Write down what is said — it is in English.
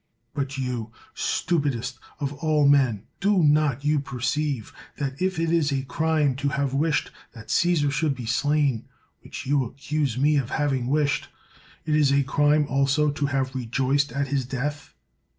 But you, stupidest of all men, do not you perceive, that if it is a crime to have wished that Caesar should be slain — ^which you accuse me of having wished — it is a crime also to have rejoiced at his death